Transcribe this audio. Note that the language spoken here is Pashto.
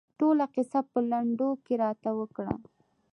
ټوله کیسه په لنډو کې راته وکړه.